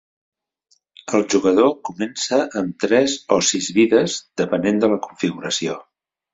El jugador comença amb tres o sis vides, depenent de la configuració.